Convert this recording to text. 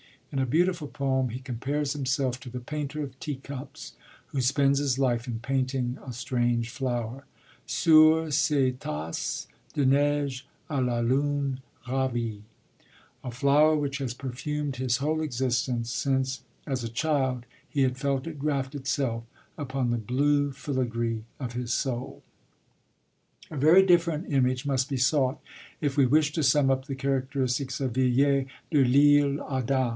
In a beautiful poem he compares himself to the painter of tea cups who spends his life in painting a strange flower Sur ses tasses de neige à la lune ravie, a flower which has perfumed his whole existence, since, as a child, he had felt it graft itself upon the 'blue filigree of his soul.' A very different image must be sought if we wish to sum up the characteristics of Villiers de l'Isle Adam.